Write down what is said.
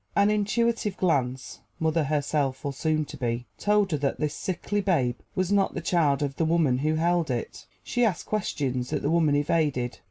An intuitive glance (mother herself or soon to be) told her that this sickly babe was not the child of the woman who held it. She asked questions that the woman evaded.